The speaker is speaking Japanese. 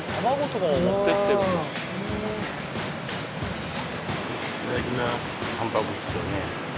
いただきます